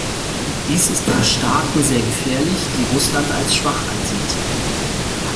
Dies ist für Staaten sehr gefährlich, die Russland als schwach ansieht.